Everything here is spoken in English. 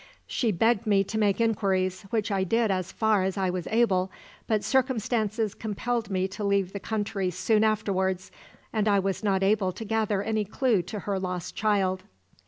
She begged me to make inquiries, which I did as far as I was able, but circumstances compelled me to leave the country soon afterwards, and I was not able to gather any clue to her lost child."